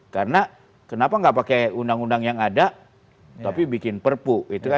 karena kenapa tidak pakai undang undang yang ada tapi bikin perpu